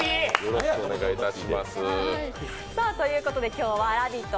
今日はラヴィット！